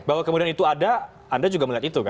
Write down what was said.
bahwa kemudian itu ada anda juga melihat itu